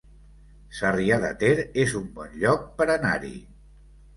Sarrià de Ter es un bon lloc per anar-hi